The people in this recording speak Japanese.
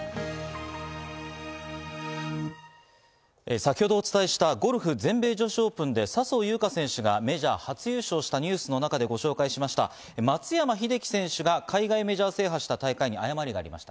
先ほどお伝えした全米女子オープンで、笹生優花選手がメジャー初優勝したニュースでお伝えしましたが、松山選手が制覇した試合に誤りがありました。